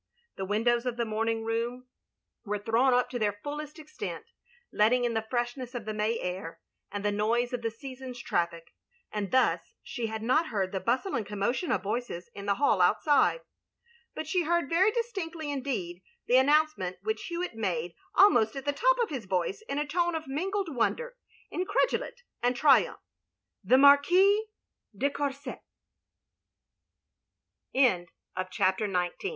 The windows of the morning room were thrown OF GROSVENOR SQUARE 331 up to their fullest extent, letting in the freshness of the May air, and the noise of the season's traffic; and thus she had not heard the bustle and commotion of voices, in the hall outside; but she heard very distinctly indeed the announce ment which Hewitt made, almost at the top of his voice, in a tone of mingled wonder, incredulit'% and triumph, "The Marqui